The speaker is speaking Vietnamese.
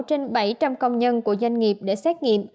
trên bảy trăm linh công nhân của doanh nghiệp để xét nghiệm